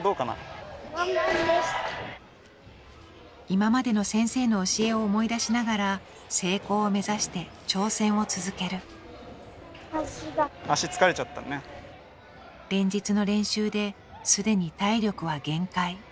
今までの先生の教えを思い出しながら成功を目指して挑戦を続ける連日の練習で既に体力は限界